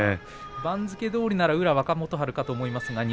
番付どおりなら宇良若元春かと思いますが錦